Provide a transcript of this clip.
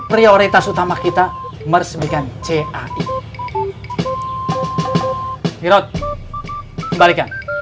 prioritas utama kita meresmikan cai